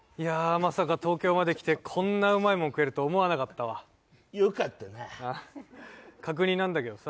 まさか東京まで来てこんなうまいもん食えるとは思わなかったわよかったな確認なんだけどさ